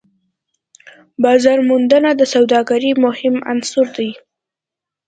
بازارموندنه د سوداګرۍ مهم عنصر دی.